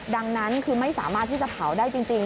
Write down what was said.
ดังนั้นคือไม่สามารถที่จะเผาได้จริง